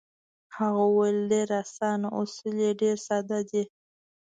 هغه وویل: ډېر اسانه، اصول یې ډېر ساده دي.